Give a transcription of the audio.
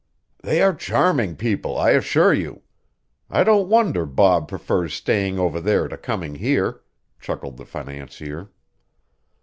"They are charming people, I assure you. I don't wonder Bob prefers staying over there to coming here," chuckled the financier.